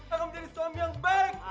aku menjadi suami yang baik